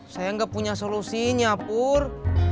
saya gak punya solusinya pur